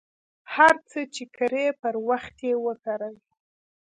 هر څه ،چې کرئ پر وخت یې وکرئ.